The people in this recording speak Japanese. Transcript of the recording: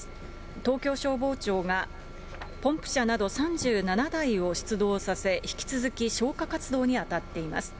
東京消防庁がポンプ車など３７台を出動させ、引き続き消火活動に当たっています。